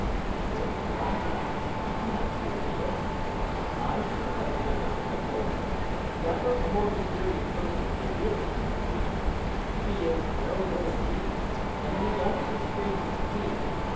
She raised her eyebrows. "My dear Jim!" "I, too, have a visitor," I told her; "rather a more mysterious person than yours seems to be. He is very ill indeed; and he is almost a stranger to me.